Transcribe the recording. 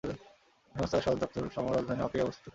এই সংস্থার সদর দপ্তর সামোয়ার রাজধানী আপিয়ায় অবস্থিত।